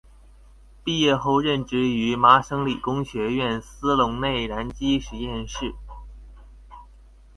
毕业后任职于麻省理工学院斯龙内燃机实验室。